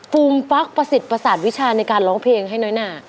ฟูมฟักประสิทธิ์ประสาทวิชาในการร้องเพลงให้น้อยหนา